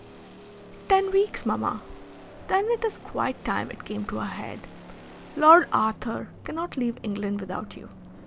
"Ten weeks, mamma." "Then it is quite time it came to a head. Lord Arthur cannot leave England without you.